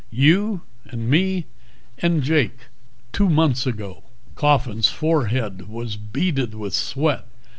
You, and me and Jake. Two months ago." Coffin's forehead was beaded with sweat.